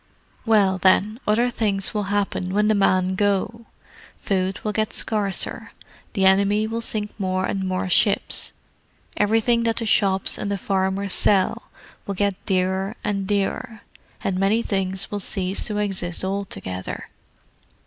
"Well, then, other things will happen when the men go. Food will get scarcer—the enemy will sink more and more ships; everything that the shops and the farmers sell will get dearer and dearer, and many things will cease to exist altogether.